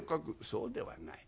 「そうではない。